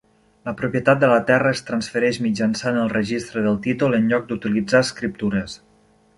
La propietat de la terra es transfereix mitjançant el registre del títol en lloc d'utilitzar escriptures.